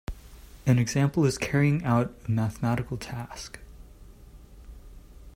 An example is carrying out a mathematical task.